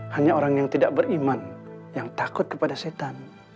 hanya orang yang tidak beriman yang takut kepada setan